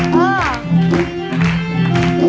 เฮ้ย